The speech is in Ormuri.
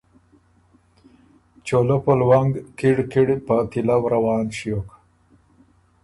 چولۀ په لونګ کِړ کِړ په تیلؤ روان ݭیوک